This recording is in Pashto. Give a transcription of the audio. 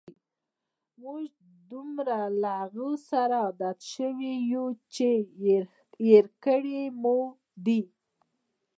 موږ دومره له هغوی سره عادی شوي یو، چې هېر کړي مو دي.